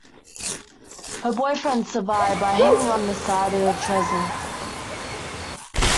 Her boyfriend survived by hanging on the side of the trestle.